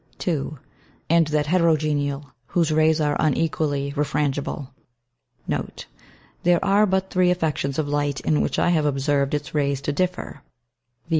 2. And that Heterogeneal, whose Rays are unequally refrangible. Note, There are but three Affections of Light in which I have observ'd its Rays to differ; _viz.